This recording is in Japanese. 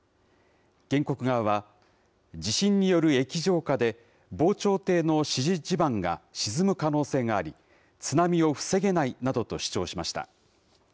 原告側は、地震による液状化で防潮堤の支持地盤が沈む可能性があり、津波を防げないなどと主張しました。